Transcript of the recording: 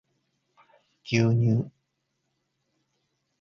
牛乳